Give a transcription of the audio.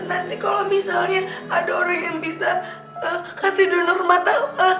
nanti kalau misalnya ada orang yang bisa kasih dulu rumah tahu